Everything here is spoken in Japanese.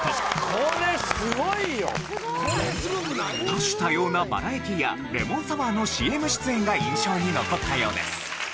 多種多様なバラエティーやレモンサワーのＣＭ出演が印象に残ったようです。